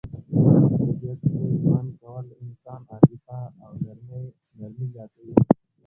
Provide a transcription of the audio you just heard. په طبیعت کې ژوند کول د انسان عاطفه او نرمي زیاتوي.